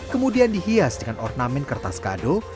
kemudian dihias dengan ornamen kertas kado